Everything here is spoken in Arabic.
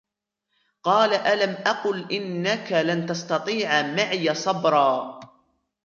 قَالَ أَلَمْ أَقُلْ إِنَّكَ لَنْ تَسْتَطِيعَ مَعِيَ صَبْرًا